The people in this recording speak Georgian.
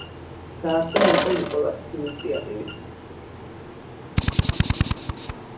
დაარსდა ნიკო ნიკოლაძის ინიციატივით.